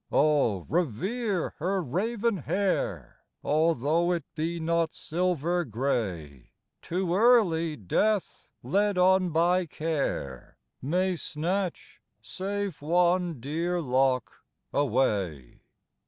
Oh, revere her raven hair! Although it be not silver gray; Too early Death, led on by Care, May snatch save one dear lock away.